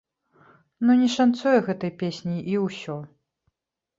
Ну не шанцуе гэтай песні, і ўсё!